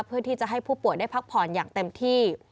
เพื่อที่จะให้ผู้ป่วยได้พักผ่อนอย่างเต็มที่